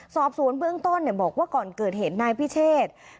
สอบสวนเบื้องต้นบอกว่าก่อนเกิดเหตุนายพิเชษ